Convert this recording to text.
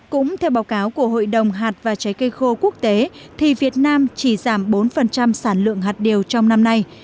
cũng theo báo cáo của hội đồng hạt và trái cây khô quốc tế thì việt nam chỉ giảm bốn sản lượng hạt điều trong năm nay